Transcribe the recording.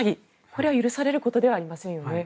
これは許されることではありませんよね。